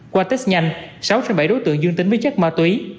qua test nhanh sáu bảy đối tượng dương tính với chất ma túy